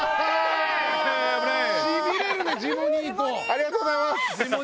ありがとうございます。